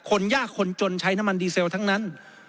คนยากคนจนใช้น้ำมันดีเซลทั้งนั้น